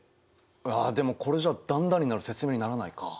でもこれじゃあ段々になる説明にならないか。